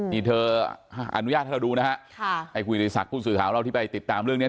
นี่เธออนุญาตให้เราดูนะฮะค่ะให้คุยในศักดิ์ผู้สื่อข่าวของเราที่ไปติดตามเรื่องนี้